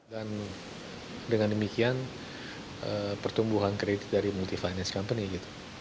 dan dengan demikian pertumbuhan kredit dari multi finance company gitu